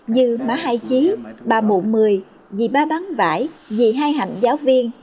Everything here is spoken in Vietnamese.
như má hai chí bà mụ mười dì ba bán vải dì hai hạnh giáo viên